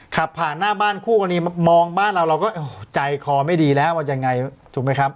ขับผ่านหน้าบ้านคู่กรณีมามองบ้านเราเราก็ใจคอไม่ดีแล้วมันยังไงถูกไหมครับ